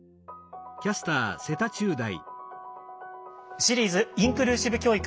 「シリーズ“インクルーシブ教育”を考える」。